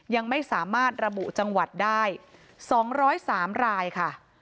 ยังไม่สามารถระบุจังหวัดได้๒๐๓รายค่ะ